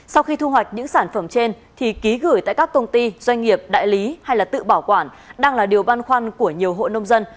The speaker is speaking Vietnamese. sau khi thu hoạch những sản phẩm trên thì ký gửi tại các công ty doanh nghiệp đại lý hay là tự bảo quản đang là điều băn khoăn của nhiều hộ nông dân